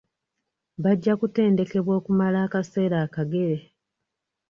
Bajja kutendekebwa okumala kaseera akagere.